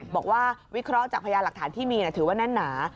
วิเคราะห์จากพยานหลักฐานที่มีถือว่าแน่นหนา